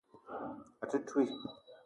A te touii.